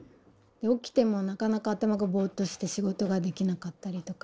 起きてもなかなか頭がぼっとして仕事ができなかったりとか。